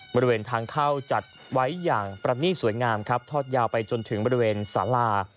บริเวณทางเข้าจัดไว้อย่างประนีตสวยงามครับทอดยาวไปจนถึงบริเวณสารา